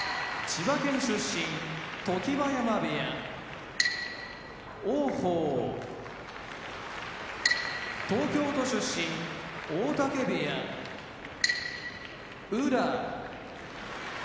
常盤山部屋王鵬東京都出身大嶽部屋宇良